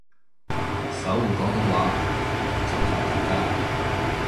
守護廣東話就靠大家